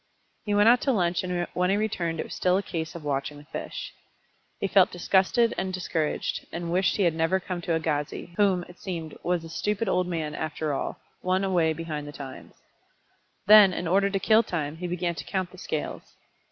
He went out to lunch and when he returned it was still a case of watching the fish. He felt disgusted and discouraged, and wished he had never come to Agassiz, whom, it seemed, was a stupid old man after all, one away behind the times. Then, in order to kill time, he began to count the scales.